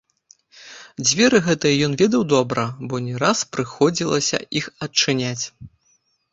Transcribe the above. Дзверы гэтыя ён ведаў добра, бо не раз прыходзілася іх адчыняць.